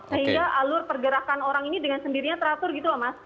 sehingga alur pergerakan orang ini dengan sendirinya teratur gitu loh mas